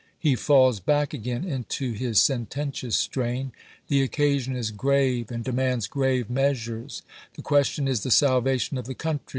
He falls back again into his sententious strain :" The occa sion is grave, and demands grave measui es. The question is the salvation of the country.